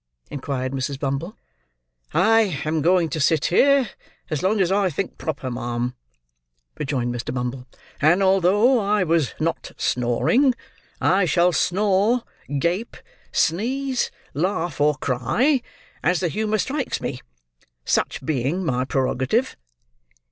inquired Mrs. Bumble. "I am going to sit here, as long as I think proper, ma'am," rejoined Mr. Bumble; "and although I was not snoring, I shall snore, gape, sneeze, laugh, or cry, as the humour strikes me; such being my prerogative."